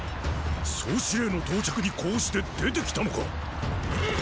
総司令の到着に呼応して出て来たのか！